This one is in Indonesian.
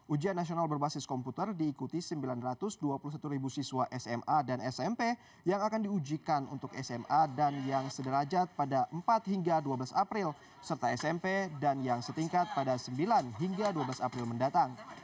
ujian nasional berbasis komputer diikuti sembilan ratus dua puluh satu siswa sma dan smp yang akan diujikan untuk sma dan yang sederajat pada empat hingga dua belas april serta smp dan yang setingkat pada sembilan hingga dua belas april mendatang